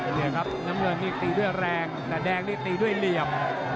นี่ครับน้ำเงินนี่ตีด้วยแรงแต่แดงนี่ตีด้วยเหลี่ยม